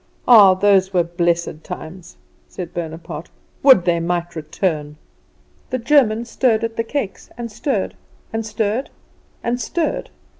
Ah, those were blessed times," said Bonaparte; "would they might return." The German stirred at the cakes, and stirred, and stirred, and stirred.